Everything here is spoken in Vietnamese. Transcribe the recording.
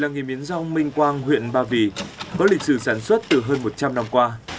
làng nghề miến rong minh quang huyện ba vì có lịch sử sản xuất từ hơn một trăm linh năm qua